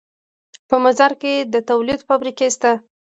په مزار کې د تولید فابریکې شته